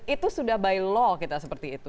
itu sudah by law kita seperti itu